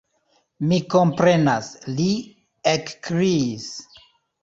Mi komprenas, li ekkriis.